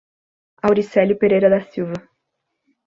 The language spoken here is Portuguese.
Auricelio Pereira da Silva